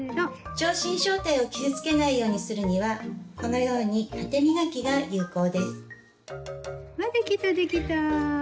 上唇小帯を傷つけないようにするにはこのように縦磨きが有効です。わできたできた！